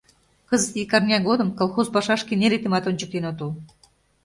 Кызыт ик арня годым колхоз пашашке неретымат ончыктен отыл.